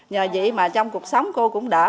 nhờ vậy mà trong cuộc sống cô cũng đỡ